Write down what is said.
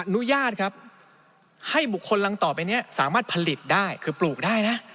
อนุญาตครับให้บุคคลรังต่อไปนี้สามารถผลิตได้คือปลูกได้นะ